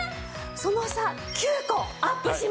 その差９個アップしました。